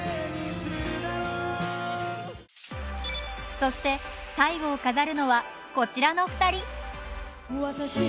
そして最後を飾るのはこちらの２人。